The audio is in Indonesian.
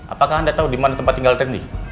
apakah anda tahu di mana tempat tinggal tendy